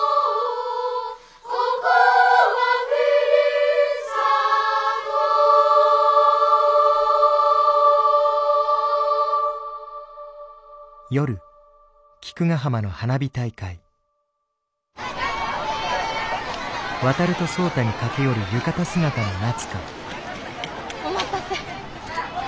「ここはふるさと」お待たせ！